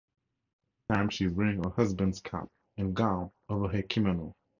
This time she is wearing her husband's cap and gown over her kimono.